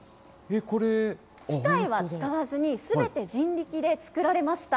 機械は使わずに、すべて人力で作られました。